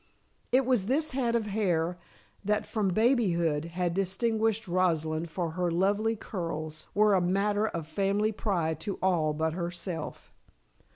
It was this head of hair that from baby hood had distinguished Rosalind, for her "lovely curls" were a matter of family pride to all but herself.